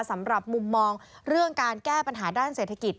สำหรับมุมมองเรื่องการแก้ปัญหาด้านเศรษฐกิจ